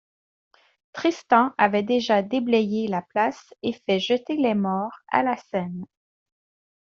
Tristan avait déjà déblayé la place et fait jeter les morts à la Seine.